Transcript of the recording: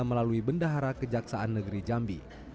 melalui bendahara kejaksaan negeri jambi